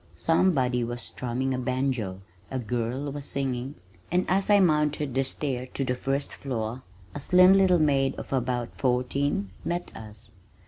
Somebody was strumming a banjo, a girl was singing, and as I mounted the stair to the first floor, a slim little maid of about fourteen met us.